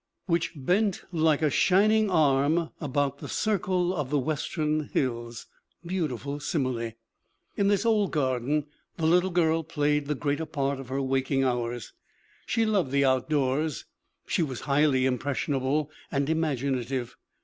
"Which bent like a shining arm about the circle of the western hills !" Beautiful simile ! 78 MARGARET DELAND 79 In this old garden the little girl played the greater part of her waking hours. She loved the outdoors. She was highly impressionable and imaginative.